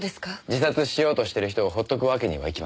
自殺しようとしてる人をほっとくわけにはいきません。